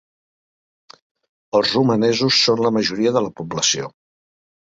Els romanesos són la majoria de la població.